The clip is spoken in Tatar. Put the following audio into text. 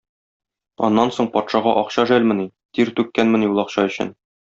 Аннан соң патшага акча жәлмени, тир түккәнмени ул акча өчен.